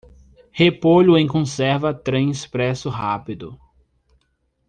Repolho em conserva Trem expresso rápido.